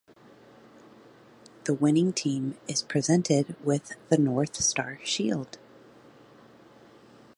The winning team is presented with the North Star Shield.